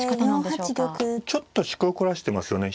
ちょっと趣向を凝らしてますよね。